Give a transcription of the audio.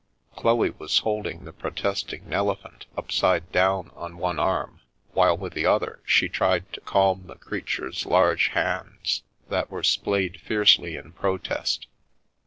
Chloe was holding the protesting Nelephant upside down on one arm, while with the other she tried to calm the creature's large hands that were splayed fiercely in protest.